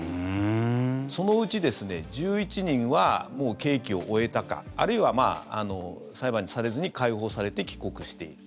そのうち１１人はもう刑期を終えたかあるいは裁判されずに解放されて帰国している。